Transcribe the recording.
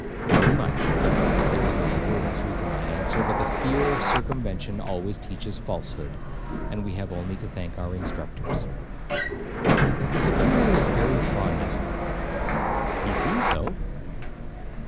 'Very much,' (there was not a word of truth in my answer, but the fear of circumvention always teaches falsehood, and we have only to thank our instructors). 'The Superior is very fond of you.' 'He seems so.'